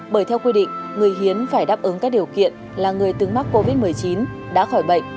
bởi theo quy định người hiến phải đáp ứng các điều kiện là người từng mắc covid một mươi chín đã khỏi bệnh